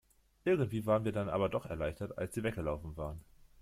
Irgendwie waren wir dann aber doch erleichtert, als sie weggelaufen waren.